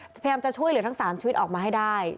พยายามจะช่วยเหลือทั้ง๓ชีวิตออกมาให้ได้